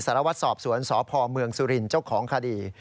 สารวัตรสอบสวนสพเมืองสุรินทร์เจ้าของคดี